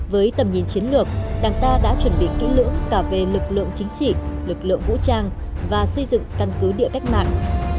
với tầm nhìn chiến lược đảng ta đã chuẩn bị kỹ lưỡng cả về lực lượng chính trị lực lượng vũ trang và xây dựng căn cứ địa cách mạng